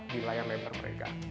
di layar lebar mereka